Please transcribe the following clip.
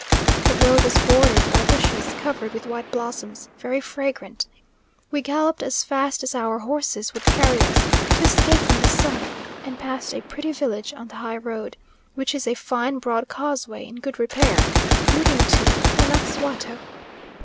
The road was bordered by bushes, covered with white blossoms, very fragrant. We galloped as fast as our horses would carry us, to escape from the sun; and passed a pretty village on the high road, which is a fine broad causeway in good repair, leading to Guanaxuato.